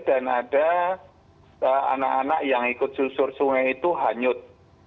dan ada anak anak yang ikut susur sungai itu hanyut